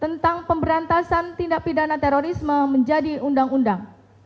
tentang pemberantasan tindak pidana terorisme menjadi undang undang